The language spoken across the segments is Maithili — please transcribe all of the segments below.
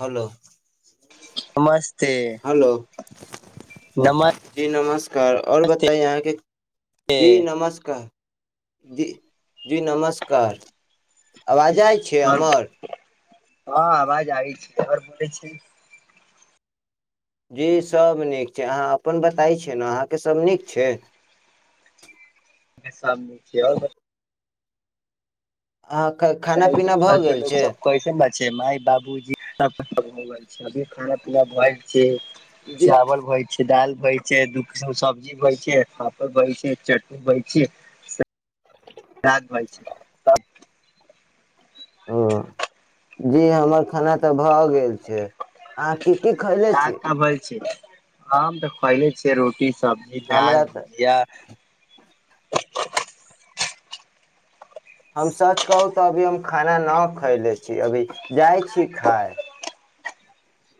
हलो नमस्ते नमस्ते जी नमस्कार ओर बताइ अहाँके जी नमस्कार जी जी नमस्कार अनाज जाइ छै और हमर हँ आवाज आ छै आर बोलै छै जी सभ नीक छै अहाँ अपन बताय छियै ने अहाँके सभ नीक छै [inaudible] बीस आदमी छियै आओर अहाँ ख- खाना जाइ छै पीना घर भऽ पर गेल लोक छै सब कैसन बा माय बाबूजी [unintelligible] अभी खाना पीना भैल छै जी चावल भइ छै दाल बै छै दू किसम सब्जी बै छै पापड़ बै छै चटनी बै छै याद भइ छै तब ओ जी हमर खाना तऽ भऽ गेल अहाँ की की खैले छी आम तऽ खएले छियै रोटी सब्जी दाल हमरा तऽ भुजिया हम सच कहू तऽ अभी हम खाना न खयले छी अभी जाइ छी खाय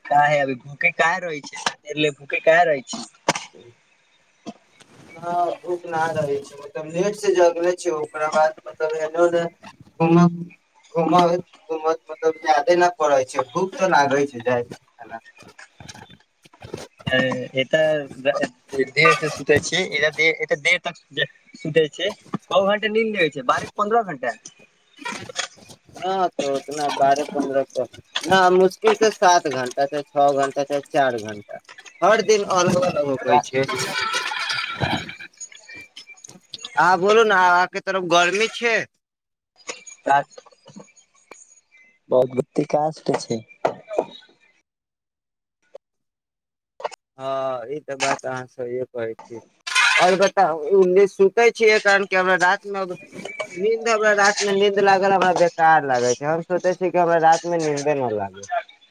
काहे अभी भूखे काहे रहय छी मेरे लिए भूखे काहे रहय छी [unintelligible] हँ भूख लागल छै मतलब लेट से जगले छै ओकरा बाद मतलब एने ओने हँ [inaudible] घूम घूम मतलब जादे नहि पड़ै छै भूख तऽ लागै छै जाइ छिये खाला [inaudible] हें एतऽ देर से सुतै छी एतऽ देर तक सुतै छिये कौ घण्टा नीद लेबै छिये बारह की पन्द्रह घण्टा हँ तऽ एतना बार पन्द्रह न मुश्किल से सात घण्टा चाहे छओ घण्टा चाहे चार घण्टा हर दिन अलग अलग होखै छै अहँ बोलू न अहाँके तरफ गर्मी छै क बहुत बते काज छटै छै [unintelligible] हँ ई तऽ बात अहाँ सहिए कहै छी आओर बताउ उनी सुते छियै कारण की हमरा रात मे अब नींद हमरा रात मे नींद लागल हमरा बेकार लागै छै हम सोचे छियै कि हमरा रात मे नींदे न लागे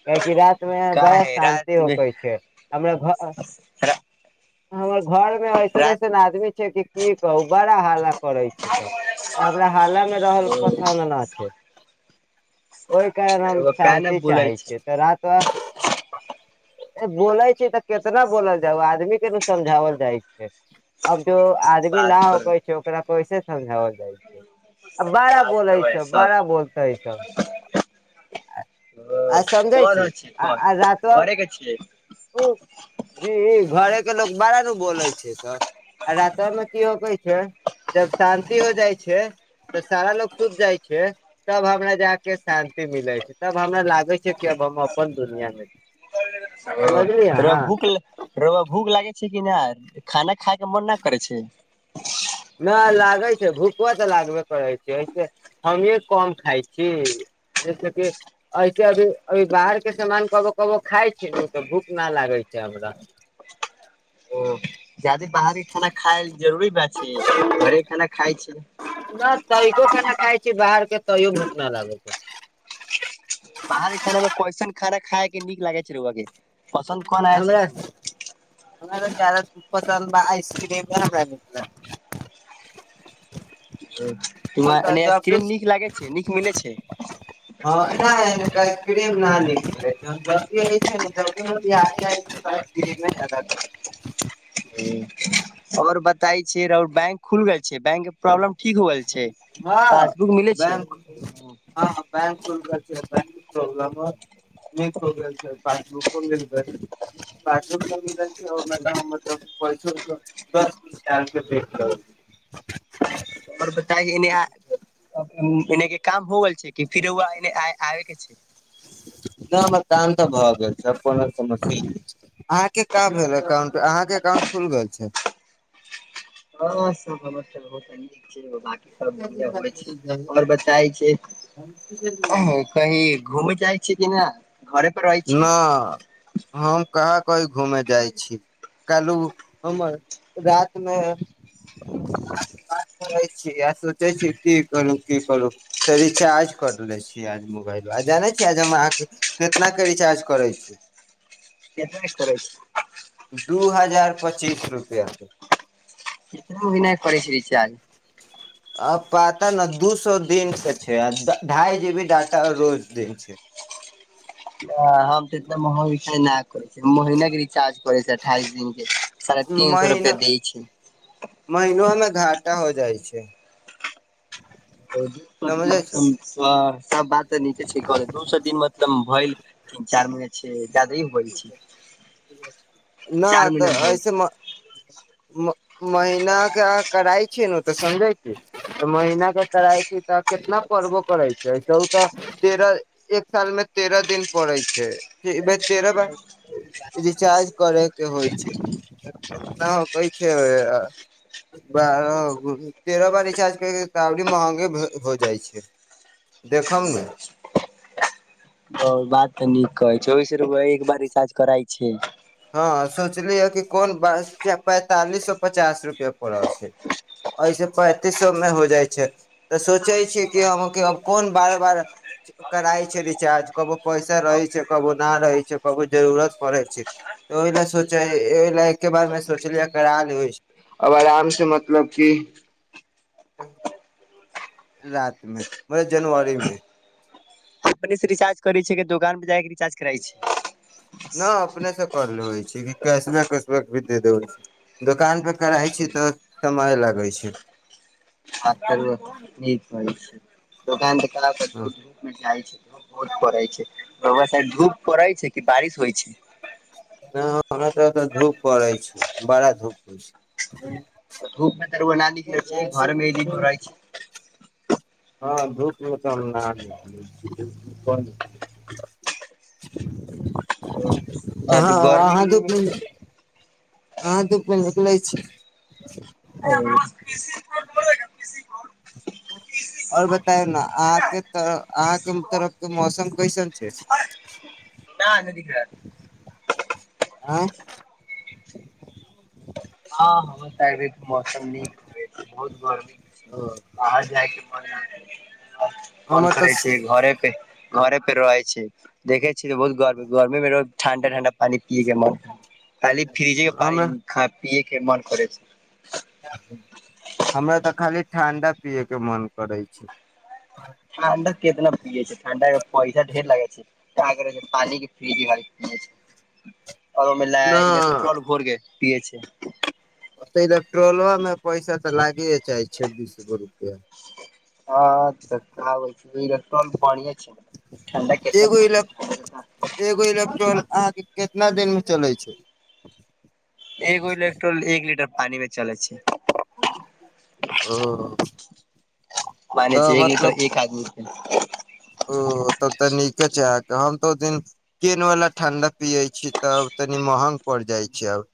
कियाकि रात मे का बड़ा है शान्ति रात मे होखै छै। हमरा घर हमर घरमे ऐसन रात ऐसन आदमी छै कि की कहू बड़ा हालत करै छै सब हमरा हाल्लामे रहल पसन्द नहि छै ओहि कारण हम रउआ का ने शान्ति बोलै चाहै छै छियै तऽ रातवा बोलै तऽ केतना बोलल जाय आदमी के ने समझावल जाइ छै अब जो आदमी न बात करबै होखै छै ओकरा कैसे समझाओल जाइ छै आ बारा बात बोलै करबै छै बारा सब बोलतेै इ सब आ ओ समझै छी कोन आ कोन आ रातो घरे के छियै ओ [inaudible] जी ई घरे के लोक बारा नु बोलै छै सर आ रातबा मे की होखै छै जब शान्ति हो जाइ छै तऽ सारा लोग सुत जाइ छै तब हमरा जाके शांति मिलै छै तब हमरा लागै छै कि अब हम अपन दुनियांमे ओ रऊआ भूख रऊआ भूख लागै छै कि नहि खाना खायके मन न करै छै नहि लागै छै भूखवा तऽ लागबे करै छै हमहीं कम खाइ छी जैसे क ऐसे अभी अभी बाहर के सामान कबो कबो खााय छै ने तऽ भूख न लागे कब जा हमरा ओ अथी बाहरी खाना खायल जरूरी बात छै घरे खाना खाय छिये तनिको खाना खाइ छी बाहर के तैयो भूखना लागै छै। बाहरी खाना मे कइसन खाना खायके नीक लागै छै रउआ के पसन्द कोन आय छै हमरा खाना हमरा चार [unintelligible] पसन्द बा आइसक्रीमे हमरा केँ हीयां हम तऽ एने जब भी आइसक्रीम नीक लागे छै नीक मिले छै हँ नहि आइसक्रीम ना नीक लगे छै हम जब भी आबै छिये न क [unintelligible] हँ आओर बताई छिये राउर बैंक खुल गेल छै बैंक के प्रॉब्लम ठीक हो गेल छै हँ पासबुक मिले छै बैंक हँ ह बैंक बैंक के प्रोबलम [unintelligible] [unintelligible] [inaudible] आओर बताइ एने आ एनेके काम हो गेल छै कि फिर ओ आबे के छै [inaudible] न काम तऽ भऽ गेल छै कोनो समस्य अहाँ के का भेल काम अहाँके क मन खुल गेल छै हँ सबर ता बहुत ह न सब बढ़िआं होइ छै आओर बताई छै हँ कही घूमय चाहै छीयै कि नहि न हम कँहा कई घुमे जाइ छी कहलहु हमर रात मे करै छी आ सोचे छी की करू की करू त रिचार्ज कर ले छीय मोबाइल जानै छी हम अहाँ कितना के रिचार्ज करै छी केतना के करय छी दू हजार पच्चीस रुपआ के एको भी नाय करै छी र रिचार्ज अ पता न दू सए दिन के छै ढाई जी बी डाटा रोज दिन छै [inaudible] हम तऽ इतना महग नहि करै छ महीने के रिचार्ज करै छै अठाइस दिन के साढ़े तीन सए रुपैआ द छै महनो मे घाटा हो जाइ छै दू सए दिन समझै छी मतल सब बात नीचे छै कह दू सए दिन मतलब भ तीन चार म छै जादे होइ छै न चार महीना तऽ भइल ऐसेमे म महीना के कराय छी ने तऽ समझे छी त महीना के कराय छी तऽ कितना प परबो करै छै त त तेरह एक साल मे तेरह दिन पड़ै छै तेरा ब रिचार्ज करे के होइ छै ना होकै छै बारह तेरह बार रिचार्ज कर तऽबी महंगे हो जाइ छै देखब ने ओ बात तऽ नीक कहै छै ओहिस एक बार रिचार्ज करै छै हँ सोचलियै कि कोन ब पैंतालिस स पचास रुपआ पड़ल छै एहिऐसे पैंतीसोमे हो जाइ छै तऽ सोचै छीयै कि हम कोन बार बार कराइ छै रिचार्ज कबो पैसा रहै छै कबो नहि रहै छै कबो जरूरत पड़ै छै त ओहि लए सोच ओहि ल एकके बादमे सोचलियै करा ल अब आराम से मतलब कि रात मे मतलब जनवरी मे कम्पनी से रिचार्ज करै छै कि दोकान पर जाके रिचार्ज करइ छै न अपने से करलेे छै कैसबे उसबे भी दे दे छै दोकान पे करा छी तऽ समय लागै छै ह त नीक होइ छै दोकान तऽ करब दू दूप मे जाइ छै ध बहुत पड़ै छै धूप पड़ै छै कि बारिश होइ छै नहि हमरा तऽ तऽ धूप पड़ै छै बड़ा धूप होइ छै धूप मे तर नाली जाइ छै घर मे दिन छै रहै छै हँ धूपमे त हम ना ह अहाँ अहाँ रुकू अहा धूपमे निकलै छी ह ओर बतायौ ने अहाँके त अहाँके तरफ के मौसम कैसन छै [inaudible] ना नदीक आंय हँ ह त मौसम नीक बहुत गर्मी बाहर जायके मन कोन हमर करै तऽ छी घरे पे घरे पे रहै छी देखै बहुत ग गरमे ठण्डा ठण्डा हे न पानी पीएके मन खाली फ्रिजे पानि हमरा ख पीए ख मन कर छै हमरा तऽ खाली ठण्डा पियैके मन करै छै वेंडर केितना पिये छै ठंडा के पैसा ढेर लागे छै क करे छै पानी के फ्रिजी पिये छै [inaudible] ओर मिला ई के ना ओहिमे इलेक्ट्रोल घोरकए पिय छै ओतै त ट्रोलोमे पैसा तऽ लागिए चाही छब्बीस गो रुपैआ हँ तकबै छै इलेकटोर भढ़िय छै एगो ल एगो एलेत्रो कितना दिन मे चलै छै एकगो इल्ट्रोल एक लीटर पानीमे चल छै ओ मान छै एक लीटर एक आदमीप ओ ओ तब तऽ नीके छै अहाँ के हम तऽ ओ दिन केन वाला ठं्डा पिये छी त तनि महंग पड़ जाइ छै आब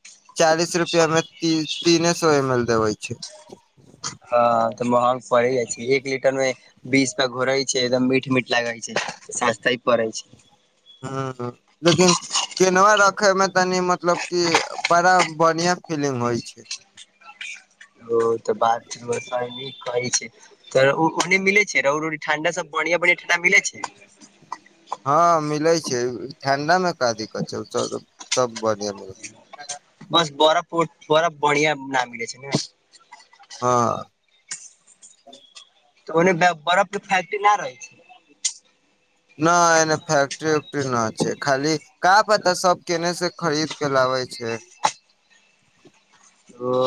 चालीस रुपआ मे तीने सो एम एल देबे छै ह तऽ महग पड़े जाइ छै एक लीटर में बीस क घोरे छै एकदम मीट मीट लागे छै सस्तय परए छै ह लेकिन केनवा रखय मे तनि मतलब कि बड़ा बढ़िआँ फीलिंग होइ छै ओ तऽ बात नीक कहै छि तऽ ओ ओने मिले छै रौ रौड़ी ठंडा सब ब बढ़िया बढ़िया ठंडा मिले छै हँ मिलै छै ठंडा मे का दिक्कत छै सब सब बढ़ीया मिल बस बरफ बरफ बढ़िया न मिले छै ने हँ तऽ ओने बरफ के फेकट्रि नई रहै छै न एने फैक्टरी उकटरी न छै खाली का पता सब केने से खरीद के लाबै छै ओ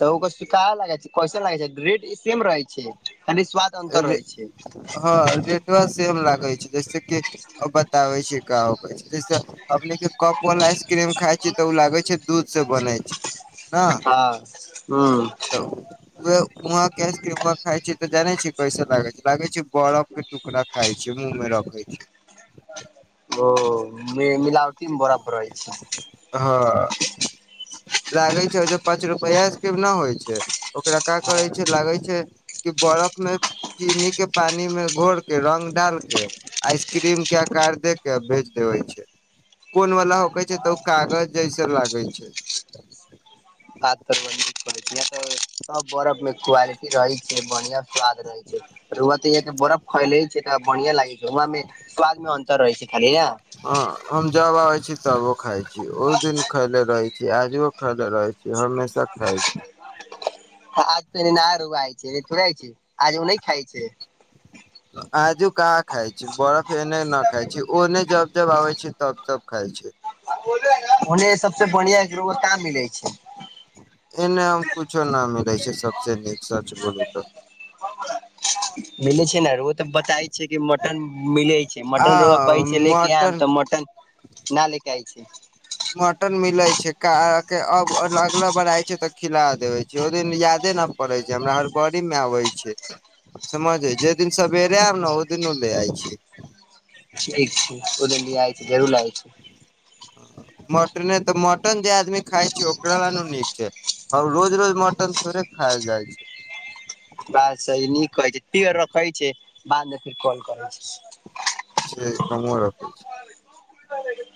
तऽ ओकर सिक लागै छै कैसा लागै छै रेट सेम रहै छै खाली स्वाद अन्तर रे रहै छै हँ रेटवा सेम लागै छै जैसे बताबे छै का होखैय छै जय तरह अपने के कप वाल आइसक्रीम खााय छी तऽ ओ लागे छै दूध से बनै छै ने हँ हँ तऽ उहे उहां के आईस क्रीमबा खााय छी तऽ जाने छी कैसे लागे छै लागे छै बरफ के टुकरा खाइ छै मुह मे रखै छी ओ मिलावटी में बरफ रहै छै लागै छै ओ जे पाँच रुपआ के न होइ छै ओकरा क करै छै लागै छै कि बर्फ मे चीनी के पानी मे घोर के रंग डाल के आइसक्रीम के आकार दे के भेज देबे छै कोन वला होकै छै तऽ ओ कागज जैसे लागै छै पातर त सब बरफ में क्वालिटी रहै छै बढ़िया स्वाद रहे छै रऊआ त ईहां बरफ खेले छै तऽ बढ़िया लागे छै हुआमे स्वाद मे अन्तर रहै छै खाली हँ न हम जब अबे छी तबो खाय छी उ दिन खायले रहे छी आजो खायले रहे छी हमेशा खाय अछै आज तनी नया छै थोड़े छै आज ओ नइ खाइ छै आजो कहां खााय छी बरफ एने न खाय छी ओने जब जब आबे छै तब जब खाइ अछै ओने सबसे बढ़िआ रोआ का मिलै छै एने आ कूछो न मिलै छै सबसँ नीक सच बोलू त मिलै छै ने रउआ तऽ बताइ छै कि मटन मिलै छै आ मटन रहुआ कहै छै ले के आम तऽ मटन न ले के आय छै मटन मिले छै का के अब अगला बार आय छै तऽ खिला देबे छै ओ दिन याद न पड़ै छै हमरा हर गड़ी मे आबै छै समझ अइ जे दिन सवेरे आयब न ओहि दिन ले आइ छी ठीक छै ओ दिन एआइ छै जरूर लेआई छै मटने तऽ मटन जे आदमी खाय छै ओकरा ल नू नीक छै और रोज रोज मटन थोड़े खायइल जाइ छै बात सही नीक कहै फेर रखै छै बादमे फेर कॉल करै ठीक हम्हु रखै छी